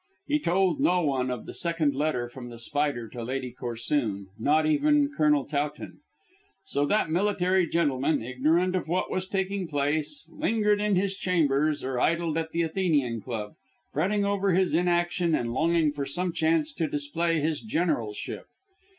He told no one of the second letter from The Spider to Lady Corsoon, not even Colonel Towton. So that military gentleman, ignorant of what was taking place, lingered in his chambers or idled at the Athenian Club, fretting over his inaction and longing for some chance to display his generalship.